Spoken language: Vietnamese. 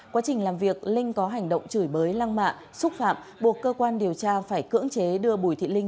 quá trình làm việc linh có hành động chửi bới lăng mạ xúc phạm buộc cơ quan điều tra phải cưỡng chế đưa bùi thị linh